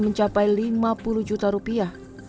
mencapai lima puluh juta rupiah